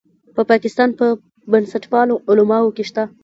په پاکستان په بنسټپالو عالمانو کې شته.